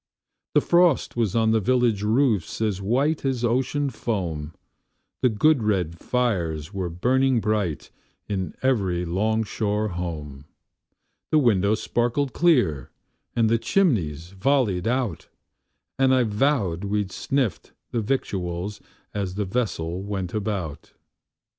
The frost was on the village roofs as white as ocean foam; The good red fires were burning bright in every 'long shore home; The windows sparkled clear, and the chimneys volleyed out; And I vow we sniffed the victuals as the vessel went about.